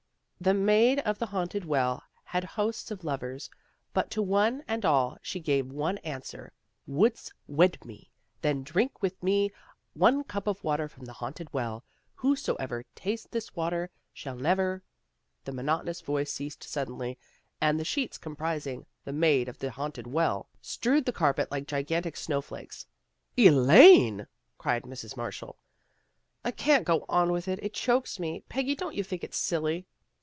" The Maid of the Haunted Well had hosts of lovers, but to one and all she gave one an swer ' Wouldst wed me? Then drink with me one cup of water from the Haunted Well. Who soever tastes this water shall never The monotonous voice ceased suddenly, and the sheets comprising the " Maid of the Haunted Well " strewed the carpet like gigantic snow flakes. " Elaine! " cried Mrs. Marshall. " I can't go on with it. It chokes me. Peggy, don't you think it's silly?